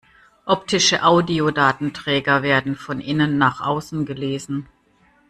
Optische Audiodatenträger werden von innen nach außen gelesen.